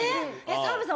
澤部さん